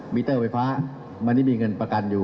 เตอร์ไฟฟ้ามันไม่มีเงินประกันอยู่